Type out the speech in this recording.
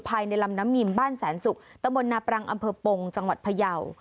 ภายในลำน้ำมิมบ้านแสนศุกร์ตะบนนาปรังอำเภอปงจังหวัดพยาว